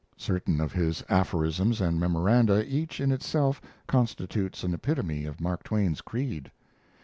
Certain of his aphorisms and memoranda each in itself constitutes an epitome of Mark Twain's creed.